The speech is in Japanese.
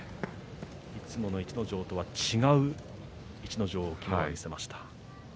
いつもの逸ノ城とは違う逸ノ城を昨日は見せました。